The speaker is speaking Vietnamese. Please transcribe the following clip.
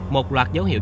một loạt dấu hiệu